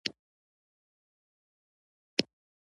برټانیې لپاره ډېر مهم وه.